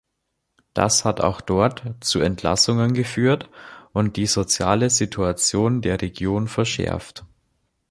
Das hat auch dort zu Entlassungen geführt, und die soziale Situation der Region verschärft.